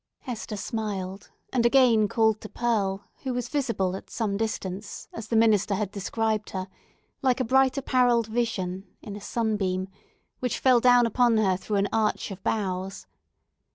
Hester smiled, and again called to Pearl, who was visible at some distance, as the minister had described her, like a bright apparelled vision in a sunbeam, which fell down upon her through an arch of boughs.